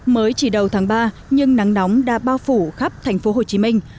mới chỉ đầu tháng ba nhưng nắng nóng đã bao phủ khắp thành phố hồ chí minh